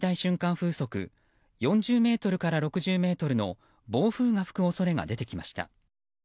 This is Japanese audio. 風速４０メートルから６０メートルの暴風が吹く恐れが出てきました。